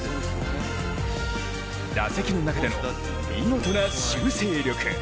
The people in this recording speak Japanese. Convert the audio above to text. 打席の中での見事な修正力。